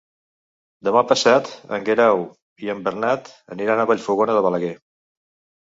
Demà passat en Guerau i en Bernat aniran a Vallfogona de Balaguer.